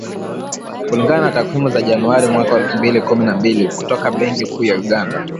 Kulingana na takwimu za Januari mwaka wa elfu mbili kumi na mbili, kutoka Benki Kuu ya Uganda.